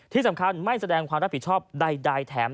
ที่สำคัญไม่แสดงความรับผิดชอบใดแถม